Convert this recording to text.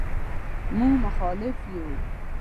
مونږ مختلف یو